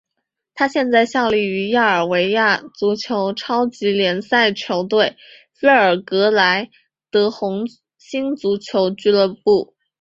他现在效力于塞尔维亚足球超级联赛球队贝尔格莱德红星足球俱乐部。